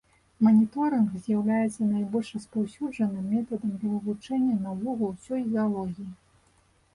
Маніторынг з'яўляецца найбольш распаўсюджаным метадам для вывучэння наогул усёй заалогіі.